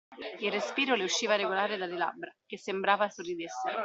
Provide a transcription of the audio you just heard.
Il respiro le usciva regolare dalle labbra, che sembrava sorridessero.